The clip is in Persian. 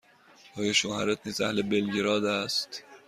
آیا شوهرت نیز اهل بلگراد است؟